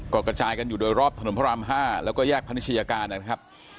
ก็กระจายกันอยู่โดยรอบถนนพระราม๕แล้วก็แยกพนิชยาการนะครับ